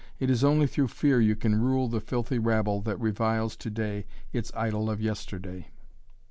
It is only through fear you can rule the filthy rabble that reviles to day its idol of yesterday."